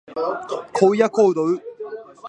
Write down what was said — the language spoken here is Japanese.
荒野行動